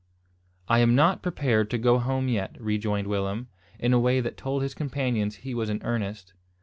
"I am not prepared to go home yet," rejoined Willem, in a way that told his companions he was in earnest.